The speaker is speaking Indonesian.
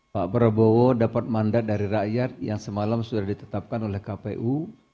pak prabowo dapat mandat dari rakyat yang semalam sudah ditetapkan oleh kpu